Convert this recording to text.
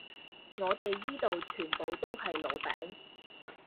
我地依度全部都係老餅